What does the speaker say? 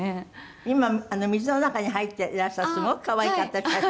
今水の中に入っていらしたすごく可愛かった写真。